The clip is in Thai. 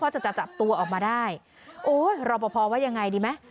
เขาจัดจับตัวออกมาได้โอ้ยรอบพ่อพ่อยังไงดีไหม